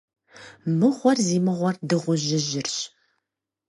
Мыгъуэр зи мыгъуэр Дыгъужьыжьырщ.